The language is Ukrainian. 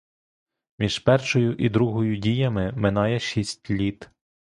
Між першою і другою діями минає шість літ.